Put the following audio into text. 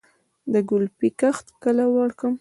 د ګلپي کښت کله وکړم؟